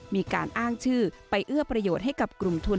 มีการอ้างชื่อไปเอื้อประโยชน์ให้กับกลุ่มทุน